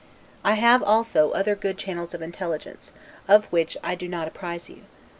I have, also, other good channels of intelligence, of which I do not apprise you.